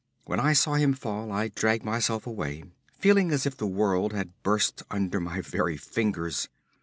When I saw him fall I dragged myself away feeling as if the world had burst under my very fingers.